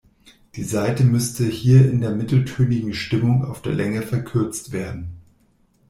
Die Saite müsste hier in der mitteltönigen Stimmung auf der Länge verkürzt werden.